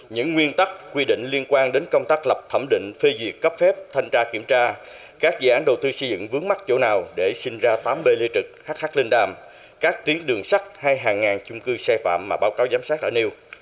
những nguyên tắc quy định liên quan đến công tác lập thẩm định phê duyệt cấp phép thanh tra kiểm tra các dự án đầu tư xây dựng vướng mắc chỗ nào để sinh ra tám b lê trực hh linh đàm các tuyến đường sắt hay hàng ngàn chung cư sai phạm mà báo cáo giám sát ở nêu